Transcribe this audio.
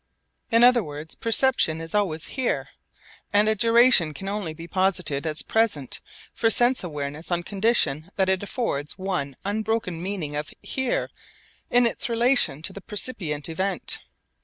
In other words, perception is always 'here,' and a duration can only be posited as present for sense awareness on condition that it affords one unbroken meaning of 'here' in its relation to the percipient event.